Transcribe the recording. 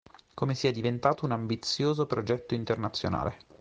Come sia diventato un ambizioso progetto internazionale.